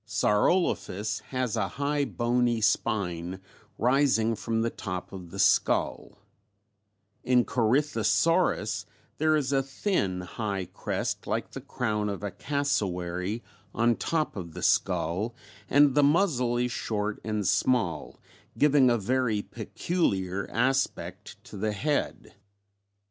Saurolophus has a high bony spine rising from the top of the skull; in Corythosaurus there is a thin high crest like the crown of a cassowary on top of the skull, and the muzzle is short and small giving a very peculiar aspect to the head.